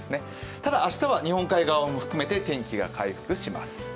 ただ、明日は日本海側を含めて天気が回復します。